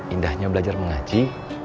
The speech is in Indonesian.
indahnya belajar mengaji